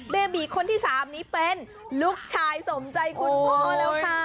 เบบีคนที่๓นี้เป็นลูกชายสมใจคุณพ่อแล้วค่ะ